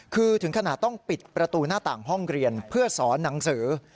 คือถึงขนาดต้องปิดประตูหน้าต่างห้องเรียนเพื่อสอนหนังสือ